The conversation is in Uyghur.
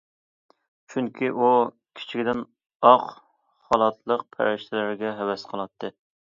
چۈنكى ئۇ كىچىكىدىن ئاق خالاتلىق پەرىشتىلەرگە ھەۋەس قىلاتتى.